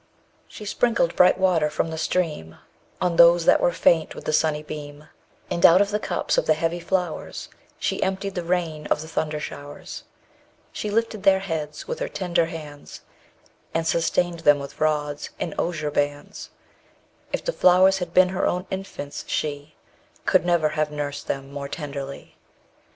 She sprinkled bright water from the stream On those that were faint with the sunny beam; And out of the cups of the heavy flowers _35 She emptied the rain of the thunder showers. She lifted their heads with her tender hands, And sustained them with rods and osier bands; If the flowers had been her own infants, she Could never have nursed them more tenderly.